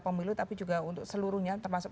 pemilu tapi juga untuk seluruhnya termasuk